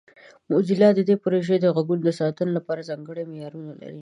موزیلا د دې پروژې د غږونو د ساتنې لپاره ځانګړي معیارونه لري.